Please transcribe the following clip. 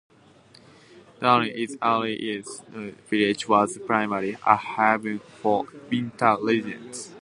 During its early years, North Bay Village was primarily a haven for winter residents.